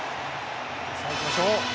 さあ、行きましょう！